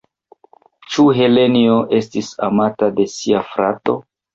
Ĉu Helenjo estis amata de sia frato?